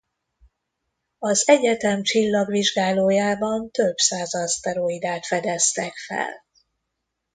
Az egyetem csillagvizsgálójában több száz aszteroidát fedeztek fel.